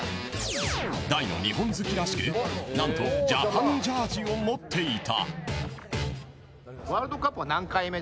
大の日本好きらしく何とジャパンジャージを持っていた。